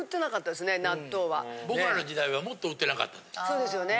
そうですよね。